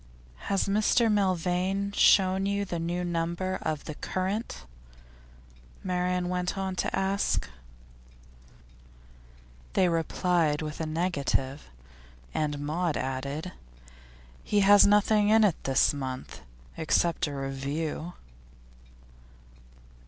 'Has Mr Milvain shown you the new number of The Current?' Marian went on to ask. They replied with a negative, and Maud added: 'He has nothing in it this month, except a review.